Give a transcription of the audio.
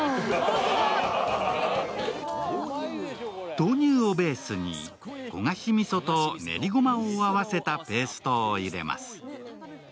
豆乳をベースに焦がしみそと練りごまを合わせたペーストを入れます。